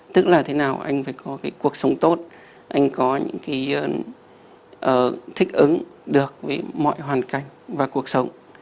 tức là thế nào anh phải có cái cuộc sống tốt anh có những cái thích ứng được với mọi hoàn cảnh và cuộc sống